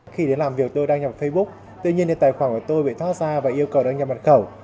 khi đến làm việc tôi đăng nhập facebook tự nhiên tài khoản của tôi bị thoát ra và yêu cầu đăng nhập bản khẩu